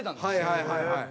はいはいはい。